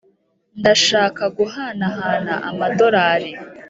ndashaka guhanahana amadorari.